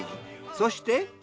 そして。